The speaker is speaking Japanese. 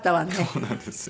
そうなんですよ。